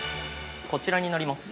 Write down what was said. ◆こちらになります。